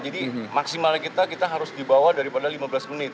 jadi maksimalnya kita kita harus dibawa daripada lima belas menit